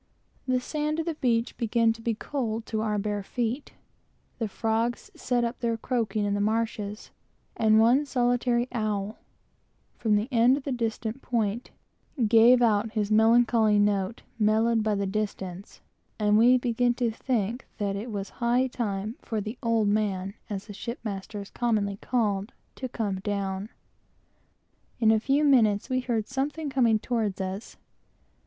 The sand of the beach began to be cold to our bare feet; the frogs set up their croaking in the marshes, and one solitary owl, from the end of the distant point, gave out his melancholy note, mellowed by the distance, and we began to think that it was high time for "the old man," as the captain is generally called, to come down. In a few minutes we heard something coming towards us.